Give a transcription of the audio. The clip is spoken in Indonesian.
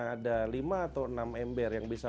ada lima atau enam ember yang bisa